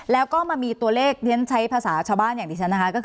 แล้วก็มันมีตัวเลขเดี๋ยวเราใช้ภาษาชาวบ้านนี้นะคะ